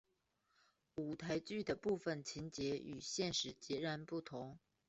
舞台剧的部分情节与现实截然不同。